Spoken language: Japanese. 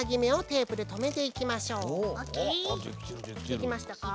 できましたか？